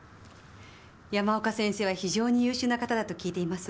山岡先生は非常に優秀な方だと聞いています。